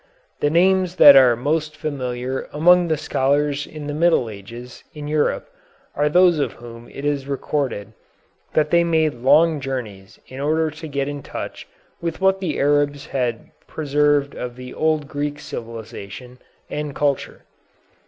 The names that are most familiar among the scholars in the Middle Ages in Europe are those of whom it is recorded that they made long journeys in order to get in touch with what the Arabs had preserved of the old Greek civilization and culture.